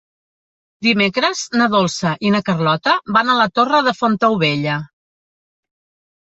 Dimecres na Dolça i na Carlota van a la Torre de Fontaubella.